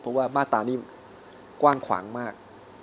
เพราะว่ามาตรานี้กว้างขวางมาก